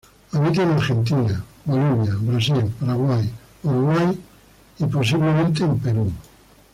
Habita en Argentina, Bolivia, Brasil, Paraguay, Uruguay y posiblemente en Perú.